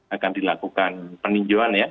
akan dilakukan peninjauan ya